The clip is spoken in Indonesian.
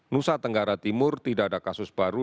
nusa tenggara timur tidak ada kasus baru